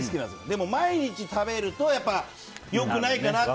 でも、毎日食べるとやっぱり良くないかなって。